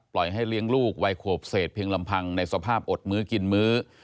ให้เลี้ยงลูกวัยขวบเศษเพียงลำพังในสภาพอดมื้อกินมื้อ